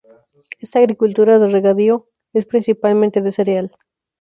Esta agricultura de regadío es principalmente de cereal.